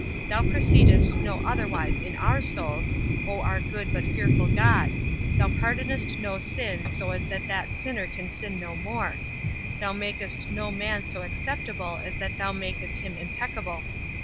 Thou proceedest no otherwise in our souls, O our good but fearful God; thou pardonest no sin, so as that that sinner can sin no more; thou makest no man so acceptable as that thou makest him impeccable.